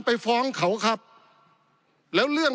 ปี๑เกณฑ์ทหารแสน๒